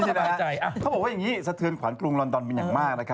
เขาบอกตัวอย่างนี้สะเทือนขวานกรุงลอนดอนเป็นอย่างมาก